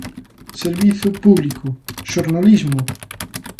Servizo público! Xornalismo!